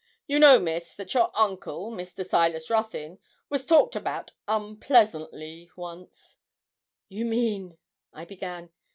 You know, Miss, that your uncle, Mr. Silas Ruthyn, was talked about unpleasantly once.' 'You mean' I began.